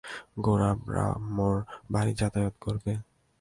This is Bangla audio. গোরা ব্রাহ্মর বাড়ি যাতায়াত করবে?